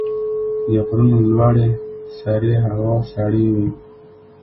د غرونو لوړې سرې هوا سړې وي.